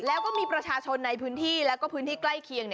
แล้วก็มีประชาชนในพื้นที่แล้วก็พื้นที่ใกล้เคียง